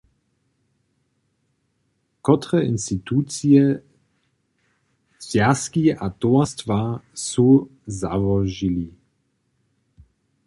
Kotre institucije, zwjazki a towastwa su załožili?